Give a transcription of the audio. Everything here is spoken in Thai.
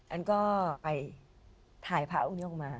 อันก็ไปถ่ายพระองค์นี้ออกมา